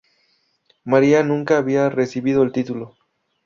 María nunca había recibido el título.